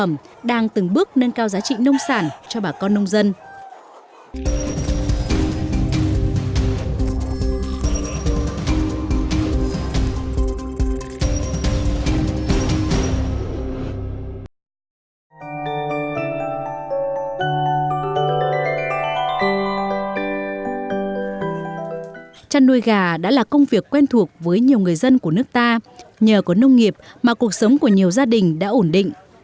trăn nuôi gà đã là công việc quen thuộc với nhiều người dân của nước ta nhờ có nông nghiệp mà cuộc sống của nhiều gia đình đã ổn định